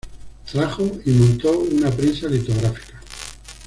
Trajo y montó una prensa litográfica.